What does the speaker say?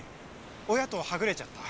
おやとはぐれちゃった？